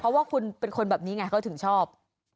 เพราะว่าคุณเป็นคนแบบนี้ไงเขาถึงชอบ